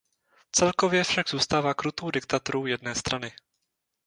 Celkově však zůstává krutou diktaturou jedné strany.